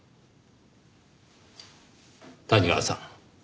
谷川さん